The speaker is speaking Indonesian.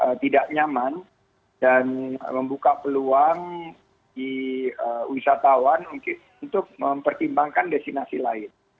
yang tidak nyaman dan membuka peluang di wisatawan untuk mempertimbangkan destinasi lain